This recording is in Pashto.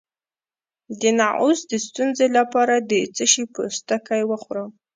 د نعوظ د ستونزې لپاره د څه شي پوستکی وخورم؟